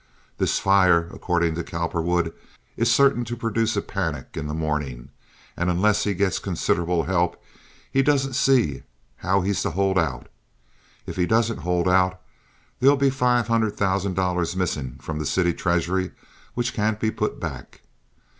"This fire, accordin' to Cowperwood, is certain to produce a panic in the mornin', and unless he gets considerable help he doesn't see how he's to hold out. If he doesn't hold out, there'll be five hundred thousand dollars missin' from the city treasury which can't be put back.